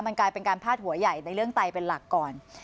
มันกลายเป็นการพาดหัวใหญ่ในเรื่องไตเป็นหลักก่อน